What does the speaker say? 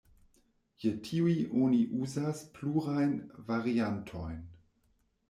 Je tiuj oni uzas plurajn variantojn.